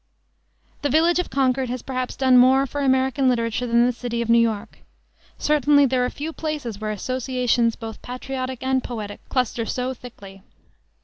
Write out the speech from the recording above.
The village of Concord has perhaps done more for American literature than the city of New York. Certainly there are few places where associations, both patriotic and poetic, cluster so thickly.